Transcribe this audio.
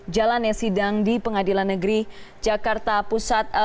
jalan yang sidang di pengadilan negeri jakarta pusat